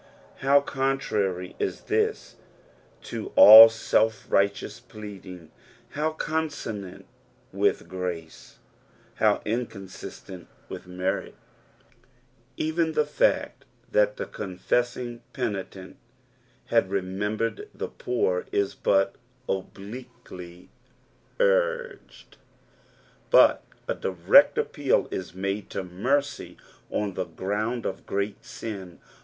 Ilow contrary is this to ell self righteous pleading '. How consonant with grace 1 How inconsistent witli merit ! Even the fact that the cunfessing penitent had remembered the poor, is but obliquely urged, but a diiect appeal IS made to mercy on the ground of great sin.